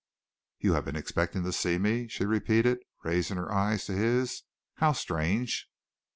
"You have been expecting to see me?" she repeated, raising her eyes to his. "How strange!"